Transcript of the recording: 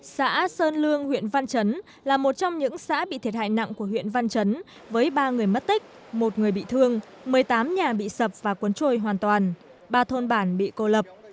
xã sơn lương huyện văn chấn là một trong những xã bị thiệt hại nặng của huyện văn chấn với ba người mất tích một người bị thương một mươi tám nhà bị sập và cuốn trôi hoàn toàn ba thôn bản bị cô lập